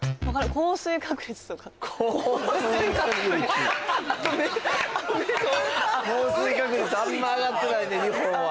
降水確率あんま上がってない日本は。